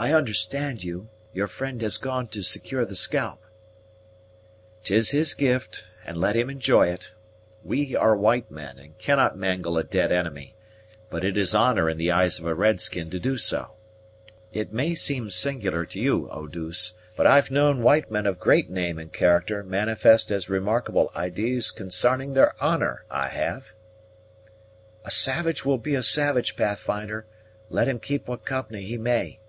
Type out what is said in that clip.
"I understand you your friend has gone to secure the scalp." "'Tis his gift, and let him enjoy it. We are white men, and cannot mangle a dead enemy; but it is honor in the eyes of a red skin to do so. It may seem singular to you, Eau douce, but I've known white men of great name and character manifest as remarkable idees consarning their honor, I have." "A savage will be a savage, Pathfinder, let him keep what company he may."